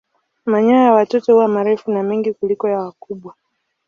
Manyoya ya watoto huwa marefu na mengi kuliko ya wakubwa.